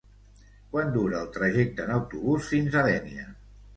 Quant dura el trajecte en autobús fins a Dénia?